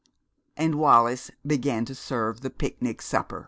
And Wallis began to serve the picnic supper.